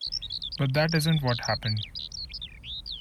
But that isn't what happened.